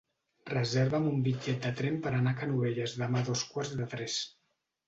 Reserva'm un bitllet de tren per anar a Canovelles demà a dos quarts de tres.